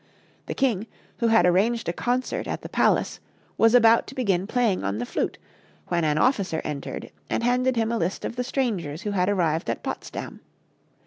The king, who had arranged a concert at the palace, was about to begin playing on the flute, when an officer entered and handed him a list of the strangers who had arrived at Potsdam.